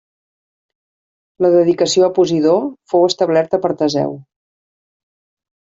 La dedicació a Posidó fou establerta per Teseu.